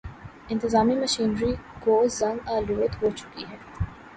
انتظامی مشینری گو زنگ آلود ہو چکی ہے۔